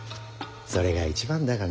それが一番だがね。